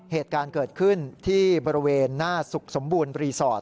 เหตุการณ์เกิดขึ้นที่บริเวณหน้าสุขสมบูรณ์รีสอร์ท